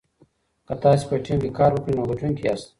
که تاسي په ټیم کې کار وکړئ نو ګټونکي یاست.